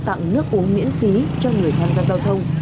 tặng nước uống miễn phí cho người tham gia giao thông